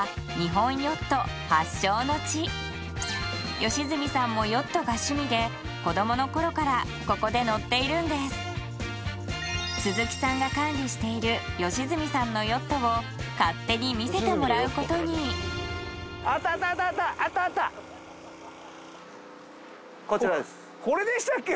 ここ良純さんもヨットが趣味で子どもの頃からここで乗っているんです鈴木さんが管理している良純さんのヨットを勝手に見せてもらうことにこれでしたっけ？